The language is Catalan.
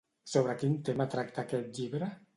Sobre quin tema tracta aquest llibre?